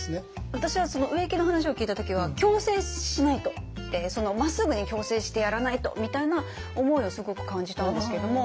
私はその植木の話を聞いた時は矯正しないとまっすぐに矯正してやらないとみたいな思いをすごく感じたんですけども。